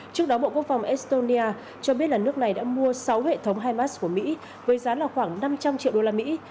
trước đó bộ quốc phòng estonia cho biết nước này đã mua sáu hệ thống himars của mỹ với giá khoảng năm trăm linh triệu đô la mỹ